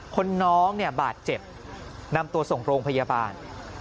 คนน้องบาดเจ็บนำตัวส่งโรงพยาบาล